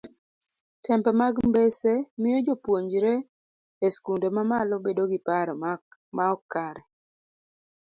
tembe mag mbese miyo jopuonjre e skunde mamalo bedo gi paro maok kare